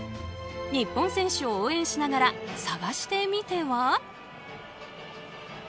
日本選手を応援しながら探してみては？